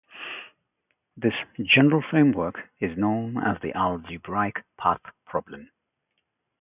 This general framework is known as the algebraic path problem.